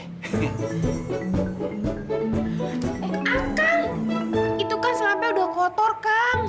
eh akang itu kan selapnya udah kotor kang